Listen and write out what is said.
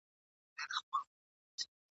د شهید زیارت یې ورک دی پر قاتل جنډۍ ولاړي ..